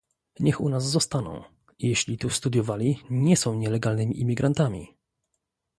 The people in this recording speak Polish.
Niech u nas zostaną - jeśli tu studiowali, nie są nielegalnymi imigrantami